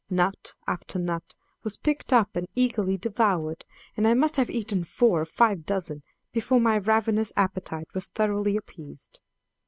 Nut after nut was picked up and eagerly devoured, and I must have eaten four or five dozen before my ravenous appetite was thoroughly appeased.